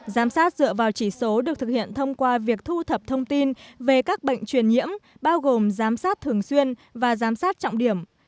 giám sát dựa vào chỉ số được thực hiện thông qua việc thu thập thông tin về các bệnh truyền nhiễm bao gồm giám sát thường xuyên và giám sát trọng điểm